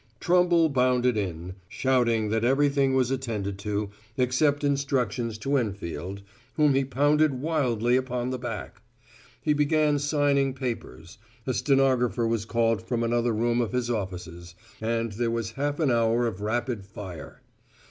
Trumble bounded in, shouting that everything was attended to, except instructions to Enfield, whom he pounded wildly upon the back. He began signing papers; a stenographer was called from another room of his offices; and there was half an hour of rapid fire.